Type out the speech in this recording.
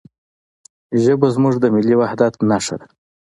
ژبه زموږ د ملي وحدت نښه ده.